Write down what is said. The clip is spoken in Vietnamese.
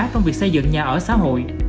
trong việc xây dựng nhà ở xã hội